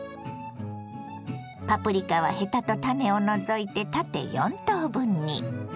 パプリカはヘタと種を除いて縦４等分に。